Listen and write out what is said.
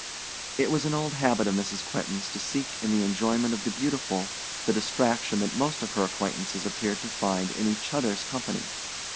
It was an old habit of Mrs. Quentin's to seek in the enjoyment of the beautiful the distraction that most of her acquaintances appeared to find in each other's company.